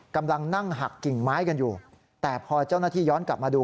กำลังนั่งหักกิ่งไม้กันอยู่แต่พอเจ้าหน้าที่ย้อนกลับมาดู